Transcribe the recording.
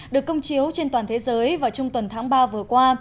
được công chiếu trên toàn thế giới vào trung tuần tháng ba vừa qua